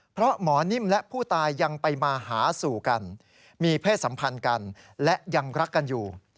เพราะหมอนิ่มและผู้ตายยังไปมาหาสู่กันมีเพศสัมพันธ์กันและยังรักกันอยู่